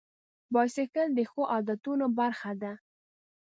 بایسکل د ښو عادتونو برخه ده.